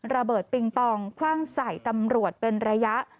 ปิงปองคว่างใส่ตำรวจเป็นระยะ